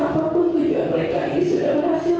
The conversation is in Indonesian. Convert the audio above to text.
apapun juga mereka ini sudah berhasil